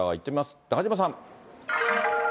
中島さん。